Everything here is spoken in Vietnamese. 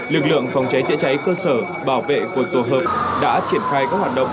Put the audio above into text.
lực lượng phòng cháy chữa cháy cơ sở bảo vệ của tổ hợp đã triển khai các hoạt động